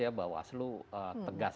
ya bahwa aslu tegas